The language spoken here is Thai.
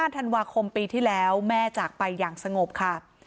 ธันวาคมปีที่แล้วแม่จากไปอย่างสงบค่ะ